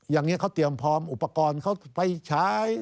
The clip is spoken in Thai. อย่างนี้เขาเตรียมพร้อมอุปกรณ์เขาไปใช้